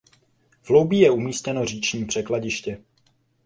V Loubí je umístěno říční překladiště.